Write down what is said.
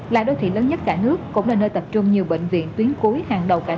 là đô thị lớn nhất cả nước cũng là nơi tập trung nhiều bệnh viện tuyến cuối hàng đầu cả nước